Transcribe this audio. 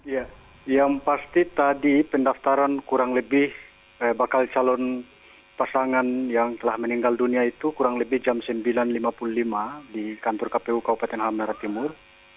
ya yang pasti tadi pendaftaran kurang lebih bakal calon pasangan yang telah meninggal dunia itu kurang lebih jam sembilan lima puluh lima di kantor kpu kabupaten halmara timur